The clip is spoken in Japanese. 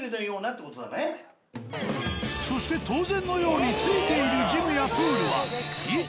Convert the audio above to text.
そして当然のように付いているジムやプールは。